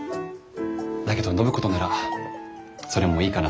だけど暢子とならそれもいいかなって。